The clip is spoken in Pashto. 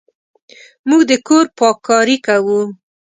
موږ د کور پاککاري کوو.